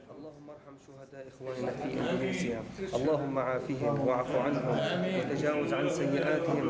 allahumma raham syuhada ikhwanila fi indonesia allahumma afihim wa'afu anhum wa tajawuz an sayyiatim